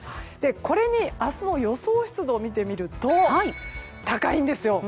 これに明日の予想湿度を見てみると高いんですよ。